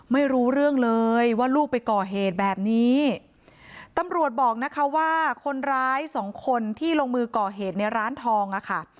ไม่รู้เรื่องเลยว่าลูกไปก่อเหตุแบบนี้ตำรวจบอกนะคะว่าคนร้ายสองคนที่ลงมือก่อเหตุในร้านทองอ่ะค่ะ